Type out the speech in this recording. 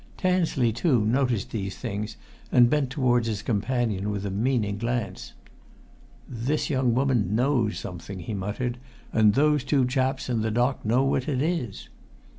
Tansley, too, noticed these things, and bent towards his companion with a meaning glance. "This young woman knows something!" he muttered. "And those two chaps in the dock know what it is!"